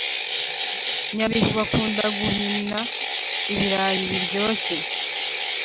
nyabihu bakunda guhina ibirayi biryoshye